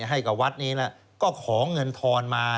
ให้กับวัดนี้แล้วก็ขอเงินทอนมา